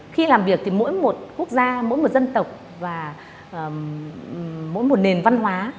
khi làm việc thì mỗi một quốc gia mỗi một dân tộc và mỗi một nền văn hóa